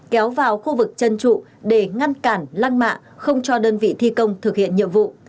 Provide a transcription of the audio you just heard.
kéo vào khu vực chân trụ để ngăn cản lăng mạ không cho đơn vị thi công thực hiện nhiệm vụ